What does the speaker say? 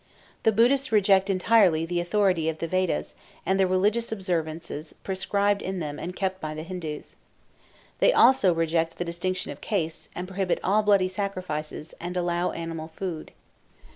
The Buddhists reject entirely the authority of the Vedas, and the religious observances prescribed in them and kept by the Hindus. They also reject the distinction of castes, and prohibit all bloody sacrifices, and allow animal food.